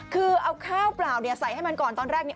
คือเอาข้าวเปล่าเนี่ยใส่ให้มันก่อนตอนแรกเนี่ย